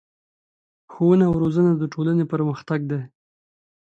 ښوونه او روزنه د ټولنې پرمختګ دی.